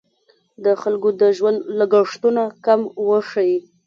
د خلکو د ژوند لګښتونه کم وښیي.